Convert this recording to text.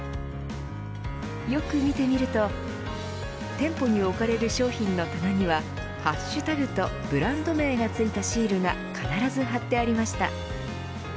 よく見てみると店舗に置かれる商品の棚にはハッシュタグとブランド名がついたシールが必ず貼ってありました。